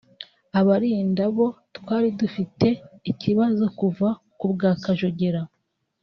Abarinda bo twari dufite ikibazo kuva kubwa Kanjogera